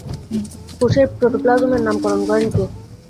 কোষের প্রোটোপ্লাজমের নামকরণ করেন কে?